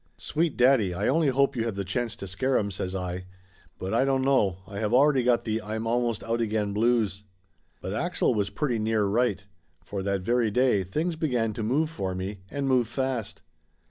"Sweet daddy, I only hope you have the chance to scare 'em !" says I. "But I don't know. I have already got the I'm almost out again blues." Laughter Limited 181 But Axel was pretty near right. For that very day things began to move for me, and move fast.